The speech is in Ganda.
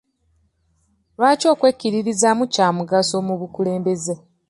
Lwaki okwekkiririzaamu kya mugaso mu bukulembeze?